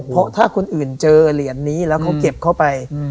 เพราะถ้าคนอื่นเจอเหรียญนี้แล้วเขาเก็บเข้าไป